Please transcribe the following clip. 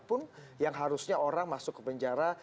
pun yang harusnya orang masuk ke penjara